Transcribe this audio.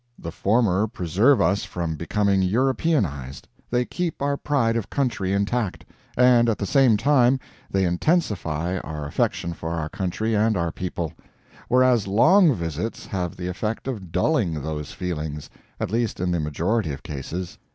The former preserve us from becoming Europeanized; they keep our pride of country intact, and at the same time they intensify our affection for our country and our people; whereas long visits have the effect of dulling those feelings at least in the majority of cases.